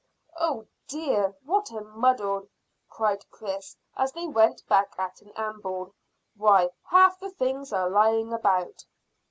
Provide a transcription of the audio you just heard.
"Oh dear, what a muddle!" cried Chris, as they went back at an amble. "Why, half the things are lying about."